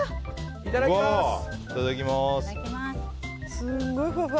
いただきます！